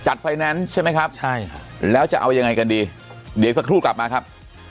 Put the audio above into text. ไฟแนนซ์ใช่ไหมครับใช่แล้วจะเอายังไงกันดีเดี๋ยวสักครู่กลับมาครับ